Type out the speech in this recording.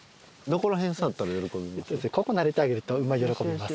ここなでてあげると馬喜びます。